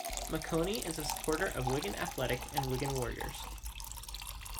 Maconie is a supporter of Wigan Athletic and Wigan Warriors.